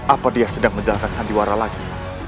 apa dia sedang menjalankan sandiwara lagi